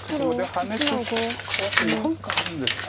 ハネと引きと換わって何かあるんですか。